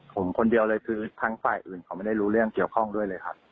ผมคนเดียวเลยคือทั้งฝ่ายอื่นเขาไม่ได้รู้เรื่องเกี่ยวข้องด้วยเลยครับ